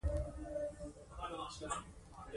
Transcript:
کروندګر د کار نیکمرغي ګڼي